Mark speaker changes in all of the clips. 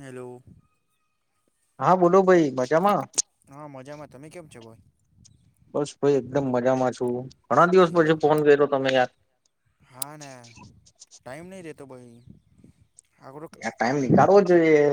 Speaker 1: Hello
Speaker 2: હા બોલો ભાઈ મજામાં
Speaker 1: હા મજામાં તમે કેમ છો ભાઈ
Speaker 2: બસ ભાઈ એકદમ મજામાં છું ઘણા દિવસ પછી
Speaker 1: એવું
Speaker 2: ફોન કર્યો તમે યાર
Speaker 1: હા ને ટાઈમ નહી રહેતો ભાઈ આખો
Speaker 2: ટાઈમ નીકળવો જોઈએ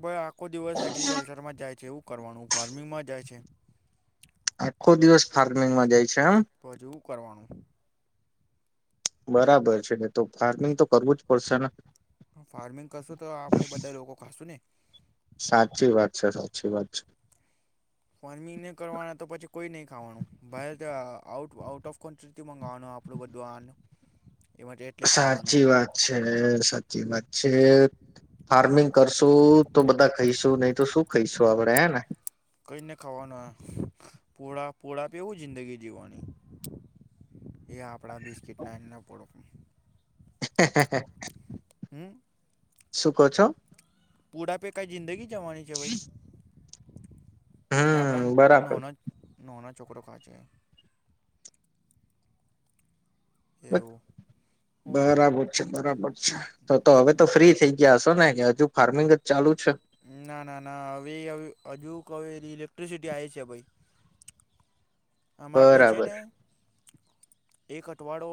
Speaker 1: પણ આખો દિવસ એગ્રીિકલ્ચરમાં જાય છે એવું કરવાનું ફાર્મિંગમાં જાય છે
Speaker 2: આખો દિવસ ફાર્મિંગમાં જાય છે એમ
Speaker 1: તો હજુ એવું કરવાનું
Speaker 2: બરાબર છે ને તો ફાર્મિંગ તો કરવું જ પડશે ને
Speaker 1: ફાર્મિંગ કરશો તો આપડે બધા લોકો ખાશું ને
Speaker 2: સાચી વાત છે સાચી વાત છે
Speaker 1: ફર્મીને કરવાના તો પછી કોઈ નહી ખાવાનું ભ આઉટ આઉટ ઓફ કોન્ટ્રીથી મંગાવવાનું આપણું બધું આનું એમાં એટલે ખાવાનું
Speaker 2: સાચી વાત છે સાચી વાત છે ફાર્મિંગ કરશું તો બધા ખઈશું નહીં તો શું ખઈશું આપડે હે ને
Speaker 1: કઈને ખાવાનું પોળા પોળા પીવું જિંદગી જીવવાની એ આપણા બિસ્કીટ નાને પડો હમ
Speaker 2: શું કહો છો
Speaker 1: પુડાપે કઈ જિંદગી જવાની છે ભાઈ એ
Speaker 2: હમ બરાબર
Speaker 1: આપણા નનો છોકરો ખા છે એવું હું
Speaker 2: બરાબર છે બરાબર છે તો તો હવે તો ફ્રી થઈ ગયા છો ને કે હજુ ફારમિંગ જ ચાલુ છે
Speaker 1: ના, ના, ના હવે અ હજુ કઉં ઇલેક્ટ્રિસિટી આઈ છે ભઈ. આ માટે છે
Speaker 2: બરાબર
Speaker 1: ને એક અઠવાડો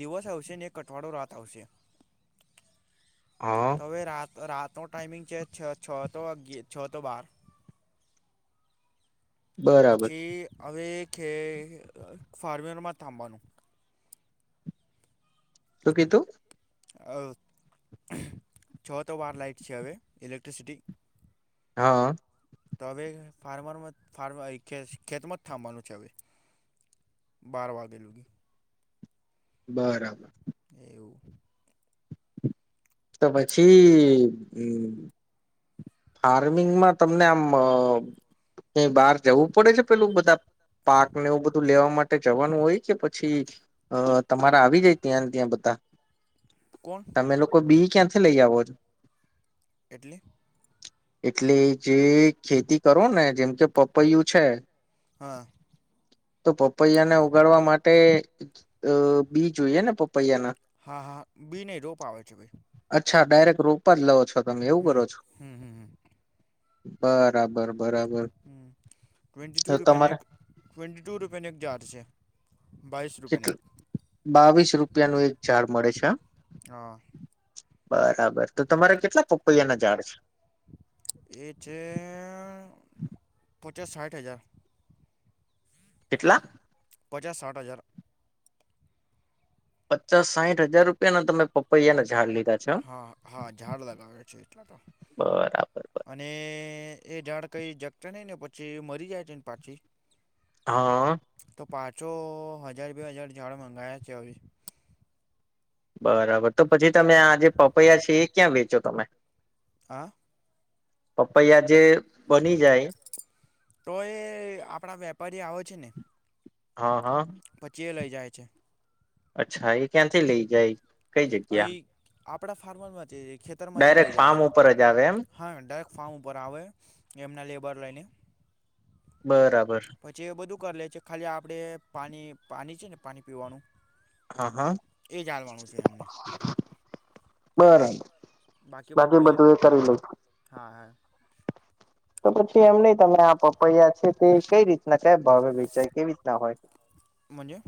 Speaker 1: દિવસ આવશે, અને એક અઠવાડો રાત આવશે.
Speaker 2: હા
Speaker 1: તો હવે રાત-રાત તો ટાઈમિંગ છે, છ, છ તો વાગ્યે, છ તો બાર. તો
Speaker 2: બરાબર
Speaker 1: પછી હવે ખે ફાર્મરમાં થાંબવાનું
Speaker 2: શું કીધું
Speaker 1: છ તો બાર લાાઈટ છે હવે ઇલેક્ટ્રિસિટી
Speaker 2: હા
Speaker 1: તો હવે ફાર્મર ફ્ ખેતમ જ થવાનું છે હવે બાર વાગેલુંગી
Speaker 2: બરાબર
Speaker 1: એવું
Speaker 2: તો પછી હમ ફાર્મિંગમાં તમને આમ બહાર જવું પડે છે પેલું બધા પાક ને એવું બધું લેવા માટે જવાનું હોય કે પછી અ તમારા આવી જાય ત્યાં ને ત્યાં બધા
Speaker 1: [unintelligible] કોણ
Speaker 2: તમે લોકો બી ક્યાંથી લઈ આવો છો
Speaker 1: એટલે?
Speaker 2: એટલે જે ખેતી કરો ને જેમ કે પપૈયું છે,
Speaker 1: હા.
Speaker 2: તો પપૈયાને ઉગાડવા માટે બી જોઈએ ને પપૈયાના
Speaker 1: હા. હા. બી નહી, રોપ આવે છે ભાઈ.
Speaker 2: અચ્છા ડાયરેક્ટ રોપા જ લવો છો તમે એવું
Speaker 1: હમ
Speaker 2: કરો છો,
Speaker 1: હમ હમ હમ
Speaker 2: બ બરાબર.
Speaker 1: હમ ટ્વેન્ટી ટુ
Speaker 2: તો
Speaker 1: રૂપિયાની
Speaker 2: તમારે
Speaker 1: એક, ટ્વેન્ટી ટુ રૂપિયાની એક જાડ છે. બાવીસ રૂપિયાની
Speaker 2: કેટલ [unintelligible] બાવીસ રૂપિયાનું એક ઝાડ મળે છે.
Speaker 1: એક હા
Speaker 2: બરાબર. તો તમારે કેટલા પપૈયા ના ઝાડ છે?
Speaker 1: એ છે પચાસ સાઠ હજાર.
Speaker 2: કેટલા?
Speaker 1: પચાસ સાઠ હજાર.
Speaker 2: પચાસ સાઠ હજાર રૂપિયાને તમે પપૈયાને ઝાડ લીધ
Speaker 1: હા. હા ઝાડ લગાવે છે એટલા તો
Speaker 2: બરાબર બરાબર.
Speaker 1: અને એ ઝાડ કઈ જગતા નઈ ને પછી મરી જાય છેને પાછી
Speaker 2: હા
Speaker 1: તો પાછો હજાર બે હજાર ઝાડ મંગાયા છે હવે.
Speaker 2: બરાબર. તો પછી તમે આ જે પપૈયા છે એ ક્યાં વેચો તમે?
Speaker 1: હા.
Speaker 2: પપૈયા જે બની જાય
Speaker 1: તો એ આપણા વેપારી આવે છે ને.
Speaker 2: હા. હા.
Speaker 1: પછી એ લઇ જાય છે.
Speaker 2: અચ્છા એ ક્યાંથી લઈ જાય? કઈ જગ્યા
Speaker 1: અહીં આપણા ફાર્મરમાં ખેતરમાંથી લઈ
Speaker 2: ડાયરેક્ટ
Speaker 1: જાય
Speaker 2: ફાર્મ
Speaker 1: છે.
Speaker 2: ઉપર જ આવે એમ
Speaker 1: હા. ડાયક ફારમ ઉપર આવે. એમના લેબર લઈને,
Speaker 2: બરાબર
Speaker 1: પછી એ બધું કરી લે છે ખાલી આપ આપણે પાણી પાની છે ને પાણી પીવાનું
Speaker 2: હા હા
Speaker 1: એ જ આલવાનું છે એમને
Speaker 2: બરાબર.
Speaker 1: બાકી બધું એ લોકો કરે. હા હે.
Speaker 2: તો પછી એમ નહીં તમે આ પપૈયા છે, તે કઈ રીતના કયા ભાવે વિચાય કેવી રીતના હોય?
Speaker 1: મનજે?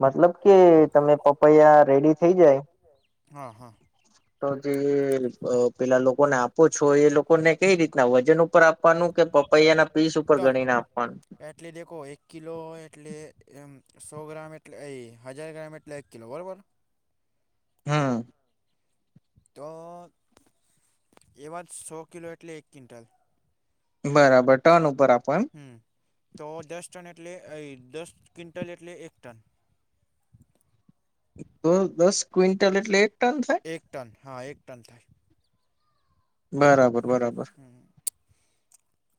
Speaker 2: મતલબ કે તમે પપૈયા રેડી થઇ જાય
Speaker 1: હા હા
Speaker 2: તો જે અહ પેલા લોકોને આપો છો એ લોકોને કઈ રીતના વજન ઉપર આપવાનું કે પપૈયા ના પીસ ઉપર
Speaker 1: ટન
Speaker 2: ગણીને આપવાનું
Speaker 1: એટલે દેખો એક કિલો એટલે એમ સો ગ્રામ એટલે એ હજાર ગ્રામ એટલે એક કિલો બરોબર.
Speaker 2: હમ્મ.
Speaker 1: તો એવા સો કિલો એટલે એક ક્વિન્ટલ.
Speaker 2: બરાબર ટન ઉપર આપ
Speaker 1: હમ્મ તો દસ ટન એ ટલે દસ ક્વિન્ટલ એટલે એક ટન.
Speaker 2: તો દસ ક્વિન્ટલ એટલે એક ટન થાય
Speaker 1: એક ટન હા એક ટન થાય.
Speaker 2: બરાબર બરાબર.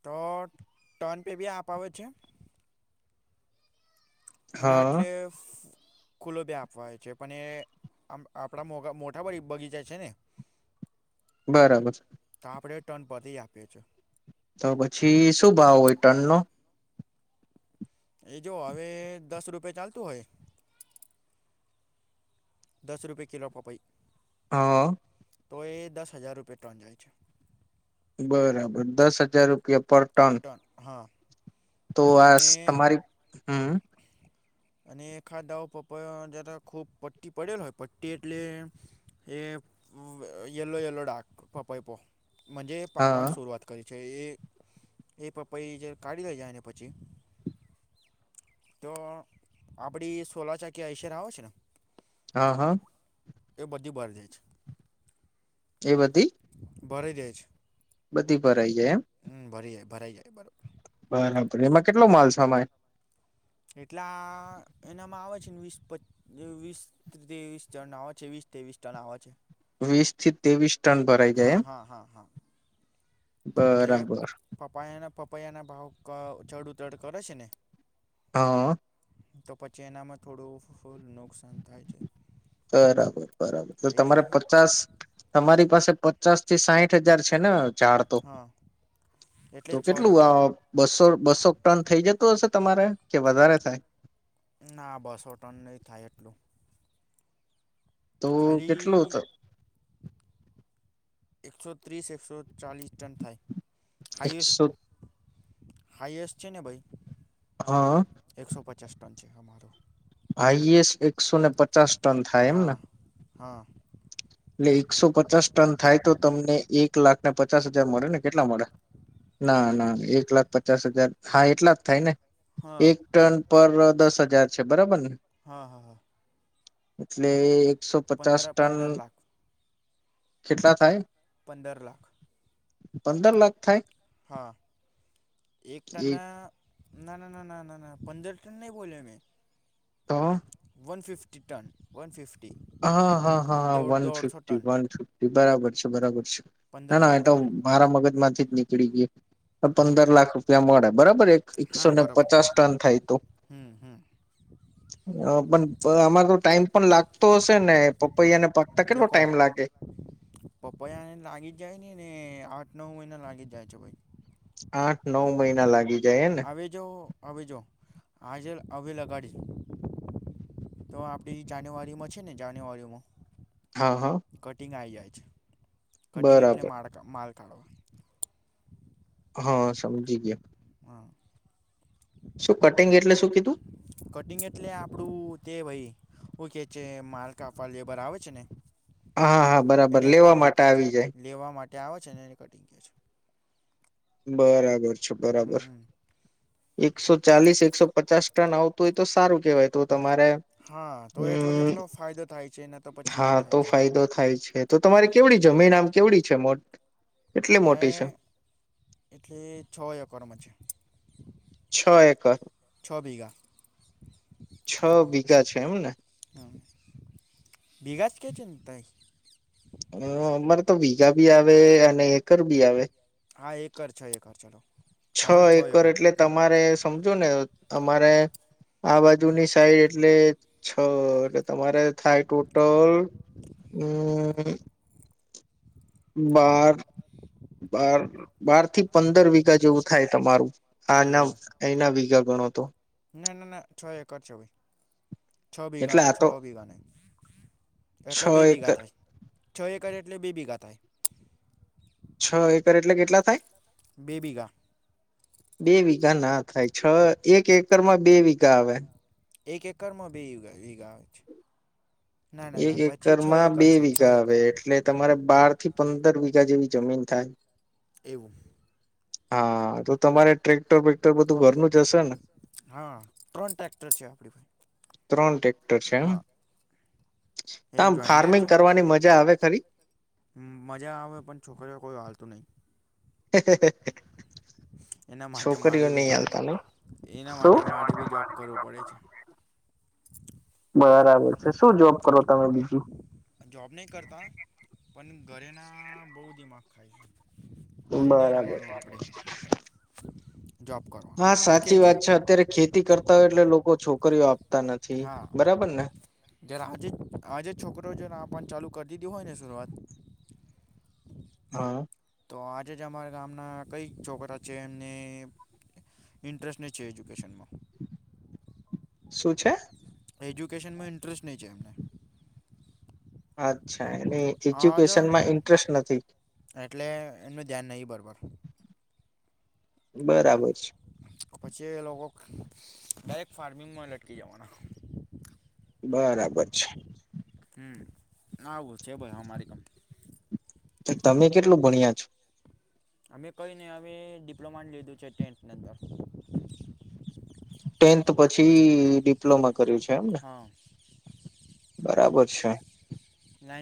Speaker 1: તો ટન પે બી આપાવે છે. અને
Speaker 2: હા
Speaker 1: અટલેફ ખુલ્લો બે આપવાય છે, પણ એ આમ આપણા મોટા મોઢા બગીચા છે ને
Speaker 2: બરાબર.
Speaker 1: તો આપણે ટન પતી આપે છે.
Speaker 2: તો પછી શું ભાવ હોય ટનનો?
Speaker 1: એ જો અવે દસ રૂપે ચાલતો હોય. દસ રૂપે કિલો પપય
Speaker 2: હઅઅ.
Speaker 1: તો એ દસ હજાર રૂપે ટન જાય છે.
Speaker 2: બરાબર દસ હજાર રૂપિયે પર ટન તો આ
Speaker 1: અને
Speaker 2: સ તમારી હમ
Speaker 1: અને એકાધાઉ પપૈયા જધા ખૂબ પટ્ટી પડેલ હોય પટ્ટી એટલે એ યલો યલો ડાક પપય પો મજે
Speaker 2: હા
Speaker 1: પાકવાની શુરૂઆત કરી છે એ એ પપૈ જે કાઢીય જાયને પછી તો આપડી સોલા ચાકીયા અયશર આવે છે ન
Speaker 2: હાં, હાં.
Speaker 1: એ બધી બાર જાય છે.
Speaker 2: એ બધી?
Speaker 1: ભરાઈ જાય છ.
Speaker 2: બધી ભરાઈ જાય એમ
Speaker 1: હં ભરી જાય ભરાઈ જાય બરોબર.
Speaker 2: બરાબર, એમાં કેટલો માલ સામાય?
Speaker 1: એટલા એનામાં આવે છ ન વીસ પચ વીસ તેવીસ જણ ન આવે છે વીસ તેવીસ ટન આવ છે.
Speaker 2: વીસ થી તેવીસ
Speaker 1: હા હા હા હા. એટલે
Speaker 2: બરાબર
Speaker 1: પપૈયા ના પપ યાના ભાવ ચડ ઉતર કરે છે ને?
Speaker 2: હા આ.
Speaker 1: તો પછી એનામાં થોડું ફુલ નુકસાન થાય છે.
Speaker 2: બરાબર બરાબર તો
Speaker 1: એ
Speaker 2: તમારે પચાસ તમારી પાસે પચાસ થી સાહીઠ હજાર છે ને ઝાડ તો?
Speaker 1: હા એટલે
Speaker 2: તો
Speaker 1: છ
Speaker 2: કેટલું
Speaker 1: એકર
Speaker 2: આ બસો બસો ટન થઈ જતું હશે તમારે. કે વધારે થાય?
Speaker 1: ના બસો ટન નહી થાય એટલું.
Speaker 2: તો કેટલું તો
Speaker 1: ખાલી એકસો ત્રીસ એકસો ચાલીસ ટન થાય
Speaker 2: એકસો
Speaker 1: હાઇએસ્ટ હાઈએસ્ટ છે ને ભઈ
Speaker 2: હા.
Speaker 1: [unintelligible] છે હમારો.
Speaker 2: હોએસ્ટ એકસો ને પચાસ ટન થાય એમના?
Speaker 1: હા હા.
Speaker 2: એટલે એકસો પચાસ ટન થાય તો તમને એક લાખને પચાસ હાજાર મળે ને કેટલા મળે? ના ના એક લાખ પચાસ હાજાર હા એટલા જ થાય ને.
Speaker 1: હા હા
Speaker 2: એક ટન પર દસ હજાર છે બરાબર ને?
Speaker 1: હા હા
Speaker 2: એટલે એકસો પચાસ
Speaker 1: પંદર
Speaker 2: ટન
Speaker 1: પંદર લાખ
Speaker 2: કેટલા થાય?
Speaker 1: પંદર લાખ
Speaker 2: પંદર લાખ થાય?
Speaker 1: હા, એક ટન ના ના ના ના ના ના ના પંદર ટન નહી બોલેયા મેં.
Speaker 2: તો
Speaker 1: વન ફિફ્ટી ટન વન ફિફ્
Speaker 2: હા હા હા one fifty
Speaker 1: ton
Speaker 2: one fifty બરાબર છે બરાબર છે.
Speaker 1: પંદર
Speaker 2: ના ના
Speaker 1: લાખ
Speaker 2: એ તો
Speaker 1: થાય
Speaker 2: મારા મગજ માંથી જ નીકળી ગી. અન
Speaker 1: હા
Speaker 2: પંદર લાખ રૂપિયા મળે બરાબર એક એકસો
Speaker 1: હા
Speaker 2: ને
Speaker 1: બરાબર
Speaker 2: પચાસ ટન થાય તો.
Speaker 1: હમ હમ
Speaker 2: હ પણ એ આમાં તો ટાઈમ તો હશે ને પપૈયાને પાકતા કેટલો ટાઈમ લાગે?
Speaker 1: પપ્પાને લાગી જાય ને ને આઠ નવ મહિના લાગી જ જાય છે ભઈ.
Speaker 2: આઠ નવ મહિના લાગી જાય ને
Speaker 1: આવી જો આવી જો આજે અવે લગાડી તો આપડી જાન્યુઆરીમાં છે ને જાન્યુઆરીમાં
Speaker 2: હા હા
Speaker 1: કટિંગ આઈ જાય છે. કટિંગ એટલે
Speaker 2: બરાબર
Speaker 1: માડ માડ
Speaker 2: હા, સમજી ગયા.
Speaker 1: હા
Speaker 2: શું કટિંગ એટલે શું કીધું
Speaker 1: કટિંગ એટલે આપડું તે ભઈ હુઈ કે છે માલ કાપવા લેબર આવે છે ને
Speaker 2: હા હા બરાબર
Speaker 1: એને
Speaker 2: લેવા
Speaker 1: કટિંગ
Speaker 2: માટે
Speaker 1: કે છે.
Speaker 2: આવી જાય
Speaker 1: લેવા માટે આવે છે એ કટિંગ કે છે.
Speaker 2: બરાબર છે બરાબર
Speaker 1: હમ
Speaker 2: એકસો ચાલીસ એકસો પચાસ ટન આવ તું એ તો સારું કેવાય તો તમારે
Speaker 1: હા, તો એટલો તો
Speaker 2: હમ
Speaker 1: એટલો ફાયદો થાય છે એના
Speaker 2: હા, તો ફાયદો થાય છે તો તમારે કેવડી જમીન આમ કેવડી છે મો
Speaker 1: એ એટલે છો એકડ માં છે.
Speaker 2: છો એકર.
Speaker 1: અ બીગા.
Speaker 2: છ બીઘા છે એવું ને.
Speaker 1: બીગાસ કે છે તઈ?
Speaker 2: હ અમારે તો વીઘા બી આવે અને એકર બી આવે.
Speaker 1: હા એકર છે એકર ચલો. હા
Speaker 2: છો
Speaker 1: પણ છ
Speaker 2: એકર એટલે
Speaker 1: પકડો
Speaker 2: તમારે સમજો ને તમારે આ બાજુની સાઈડ એટલે છો એટલે તમારે થાય ટોટલ હમ્મ બાર બાર બાર થી પંદર વીગા જેવું થાય તમારું આના
Speaker 1: એવું
Speaker 2: એના વીગા ગણો તો.
Speaker 1: ના ના ના છો એકડ છે ભઈ છો ભીગા
Speaker 2: એટલે આ
Speaker 1: છો
Speaker 2: તો
Speaker 1: ભીગા નહીં.
Speaker 2: છ
Speaker 1: એટલો બે ભીગા
Speaker 2: એકર
Speaker 1: થાય છ એકર એટલે બે ભીગા થાય.
Speaker 2: છ એકર એટલે કેટલા થાય
Speaker 1: બેબીગા
Speaker 2: બે વીઘા ના થાય છ એક એકર માં બે વીઘા આવે
Speaker 1: એક એકરમાં બે ગ આવે છે ના ના
Speaker 2: એક
Speaker 1: ના પછી
Speaker 2: એકર
Speaker 1: છ
Speaker 2: માં બે
Speaker 1: એકર છે છ
Speaker 2: વીઘા આવે
Speaker 1: એકર
Speaker 2: એટલે તમારે બાર થી પંદર વીઘા જેવી જમીન થાય
Speaker 1: એવું
Speaker 2: હા તો તમારે ટ્રેક્ટર બેક્ટર બધું ઘરનું જ હશે ને
Speaker 1: હા ત્રણ ટક્ટર છે આપડી
Speaker 2: ત્રણ ટ્રેક્ટર છે આ
Speaker 1: એક
Speaker 2: આમ
Speaker 1: જોઈન્ડિયર
Speaker 2: ફાર્મિંગ
Speaker 1: છે
Speaker 2: કરવાની મજા આવે સારી
Speaker 1: મજા આવે પણ છોકરીઓ કોઈ હલતું નહીિ એના માટે મારે
Speaker 2: છોકરીઓ
Speaker 1: બી
Speaker 2: નહી
Speaker 1: જોબ
Speaker 2: આવાલતા ને
Speaker 1: એના
Speaker 2: શું
Speaker 1: માટે મારે બી જોબ કરવું પડે છે
Speaker 2: બરાબર છે શું જોબ કરો તમે બીજું
Speaker 1: જોબ નહી કરતા પણ ઘરેના બહુ દિમાગ ખાય છે ઘરે નહી
Speaker 2: બરાબર
Speaker 1: રવાનું આપડે
Speaker 2: હા સાચી વાત છે અત્યારે ખેતી કરતા હોય એટલે લોકો છોકરીઓ આપે નથી બરાબર ને
Speaker 1: જ આજે આજે છોકરો પણ ચાલુ કરી દીધી હોય ને શઆત.
Speaker 2: હા.
Speaker 1: તો આજે જ અમારા ગામના કઈ છોકરા છે એમને. ઇન્ટરેસ્ટને છે એજ્યુકેશનમાં.
Speaker 2: શું છે.
Speaker 1: એજ્યુકેશનમાં ઇન્ટરેસ્ટ નહીં છે એમને.
Speaker 2: અચ્છા એની
Speaker 1: હા જો
Speaker 2: એજ્યુકેશન માં ઇન્ટરેસ્ટ નથી.
Speaker 1: એટલે એમનું ધ્યાન નહીં બરાબર.
Speaker 2: બરાબર છે.
Speaker 1: પછી એ લોકો ડાયરેક્ટ ફાર્મિંગમાં લટકી જવાના.
Speaker 2: બરાબર છે.
Speaker 1: હમ્મ આવું છે ભાઈ હમારી કંપ
Speaker 2: તો તમે કેટલું ભણ્યા છો?
Speaker 1: અમે કઈ નહીં હવે ડિપ્લોમા લીધું છે ટેન્ટની અંદર.
Speaker 2: ટેન્થ પછી ડિપ્લોમા કર્યું છે એમને
Speaker 1: હા
Speaker 2: બરાબર. છે.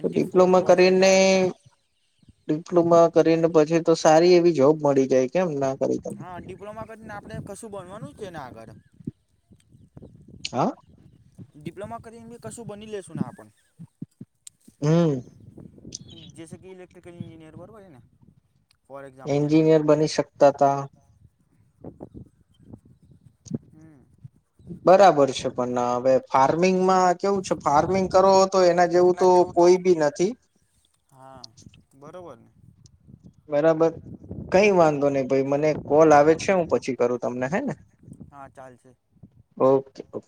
Speaker 2: તો
Speaker 1: ફોર
Speaker 2: ડિપ્લોમા
Speaker 1: પારસેન્ટન્ટ
Speaker 2: કરીને
Speaker 1: આવેતા.
Speaker 2: ડિપ્લોમા કરીને પછી તો સારી એવી જોબ મળી જાય. કેમ ના કરી તમે
Speaker 1: હા, ડિપ્લોમા કરીને આપડે કશું ભનવાનું છેને આગળ.
Speaker 2: હા
Speaker 1: ડિપ્લોમા કરીને કશું બની લેશુ ને આપણ.
Speaker 2: હમ્મ.
Speaker 1: જૈસે કે ઇક્ટ્રિકલ ન્જિનિયર બરોબર છે ને. ફોર એક્ઝામ્પલ
Speaker 2: એન્જિનિયર બની શકતા તા.
Speaker 1: હમ
Speaker 2: બરાબર છે પણ હવે ફાર્મિંગમાં કેવું છે ફાર્મિંગ કરો તો એના જેવું તો કોઈ બી નથી.
Speaker 1: હા બરોબર ને
Speaker 2: બરાબર. કઈ વાંધો નહી ભાઈ મને કોલ આવે છે હું પછી કરું તમને હે ને.
Speaker 1: લે છે.
Speaker 2: છે ઓ